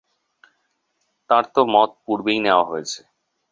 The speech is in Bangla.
তাঁর তো মত পূর্বেই নেওয়া হয়েছে।